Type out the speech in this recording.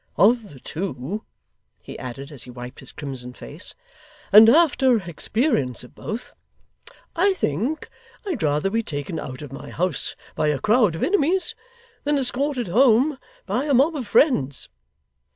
Of the two,' he added, as he wiped his crimson face, 'and after experience of both, I think I'd rather be taken out of my house by a crowd of enemies, than escorted home by a mob of friends!